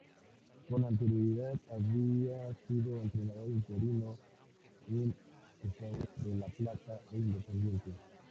Con anterioridad había sido entrenador interino en Estudiantes de La Plata e Independiente.